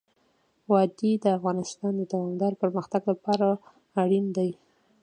وادي د افغانستان د دوامداره پرمختګ لپاره اړین دي.